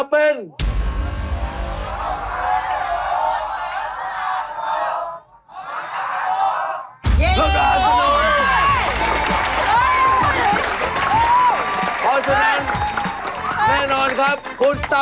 เลือกค่ะ